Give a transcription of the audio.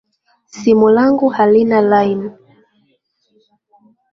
Simu langu halina laini